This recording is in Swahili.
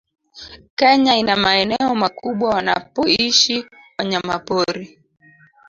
Kenya ina maeneo makubwa wanapoishi wanyamapori